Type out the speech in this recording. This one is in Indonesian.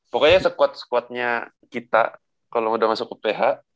pokoknya squad squad nya kita kalau udah masuk ke uph